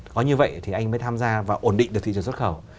có như vậy thì anh mới tham gia và ổn định được thị trường xuất khẩu